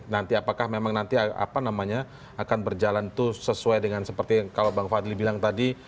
nanti apakah memang nanti apa namanya akan berjalan itu sesuai dengan seperti yang kalau bang fadli bilang tadi